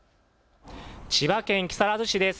千葉県木更津市です。